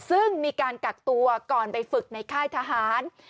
ซึ่งมีการกักตัวก่อนไปฝึกในค่ายทหาร